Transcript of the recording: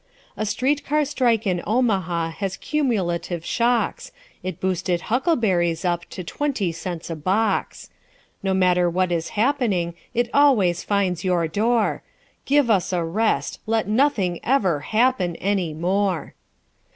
A street car strike in Omaha has cumulative shocks It boosted huckleberries up to twenty cents a box. No matter what is happening it always finds your door Give us a rest! Let nothing ever happen any more.